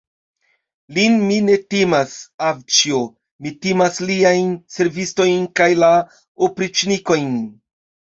Lin mi ne timas, avĉjo, mi timas liajn servistojn kaj la opriĉnikojn.